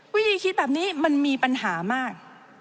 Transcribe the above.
วิธีคิดแบบนี้มันมีปัญหามาก